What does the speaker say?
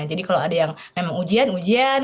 jadi kalau ada yang memang ujian ujian